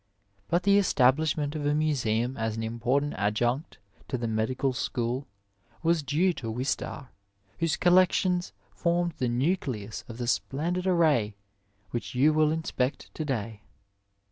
But the establishment of a museum as an impor tant adjunct to the medical school was due to Wistar, whose collections formed the nucleus of the splended array which yon will inspect to day.